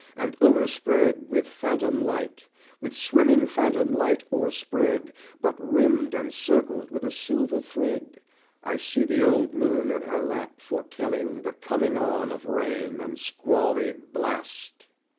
And overspread with phantom light (With swimming phantom light o'erspread, But rimmed and circled with a silver thread) I see the old moon in her lap, foretelling The coming on of rain and squally blast.